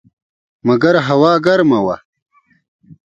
مګر هوا ګرمه وه.